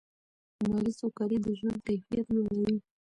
مالي سوکالي د ژوند کیفیت لوړوي.